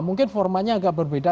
mungkin formanya agak berbeda